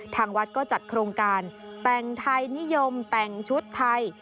ทางวัดก็จัดโครงการแต่งไทยนิยมแต่งชุดไทย